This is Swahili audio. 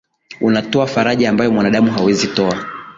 Unatoa faraja ambayo mwanadamu hawezi toa.